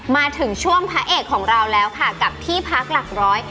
มาถึงช่วงพระเอกของเราแล้วค่ะกับที่พักหลักร้อย